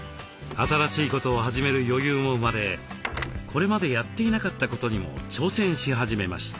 新しいことを始める余裕も生まれこれまでやっていなかったことにも挑戦し始めました。